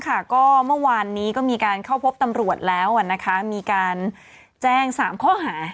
ก็เมื่อวานนี้ก็มีการเข้าพบตำรวจแล้วมีการแจ้ง๓ข้อหา